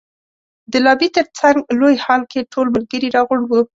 د لابي تر څنګ لوی هال کې ټول ملګري را غونډ وو.